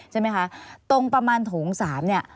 ใช่ไหมคะตรงประมาณโถง๓เนี่ย